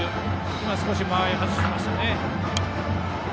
今、少し間合いを外しましたね。